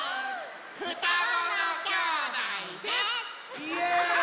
ふたごのきょうだいです！